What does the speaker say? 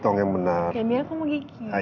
tapi enak kan